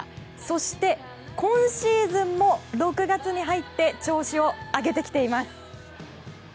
そして、今シーズンも６月に入って調子を上げてきています。